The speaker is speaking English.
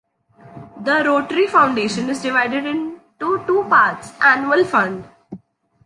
The Rotary Foundation is divided into two parts: Annual Fund.